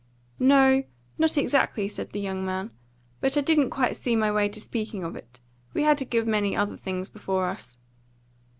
"No, not exactly," said the young man. "But I didn't quite see my way to speaking of it. We had a good many other things before us."